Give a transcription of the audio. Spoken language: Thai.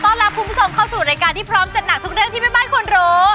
รับคุณผู้ชมเข้าสู่รายการที่พร้อมจัดหนักทุกเรื่องที่แม่บ้านควรรู้